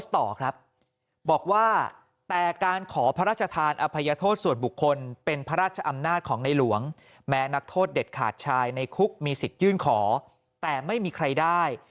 ต่อครับบอกว่าแต่การขอพระราชทานอภัยโทษส่วนบุคคลเป็นพระราชอำนาจของในหลวงแม้นักโทษเด็ดขาดชายในคุกมีสิทธิ์ยื่นขอแต่ไม่มีใครได้